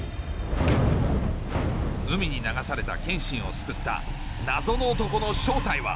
海に流された剣心を救った謎の男の正体は？